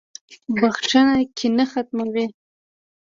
• بخښنه کینه ختموي.